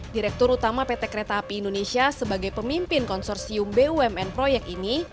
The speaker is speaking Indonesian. direktur utama pt kereta api indonesia sebagai pemimpin konsorsium bumn proyek ini